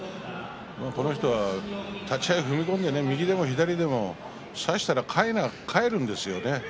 この人は立ち合い踏み込んで右でも左でも差したらかいなが返るんですよね。